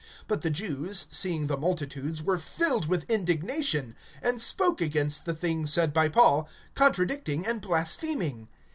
(45)But the Jews, seeing the multitudes, were filled with indignation, and spoke against the things said by Paul, contradicting and blaspheming.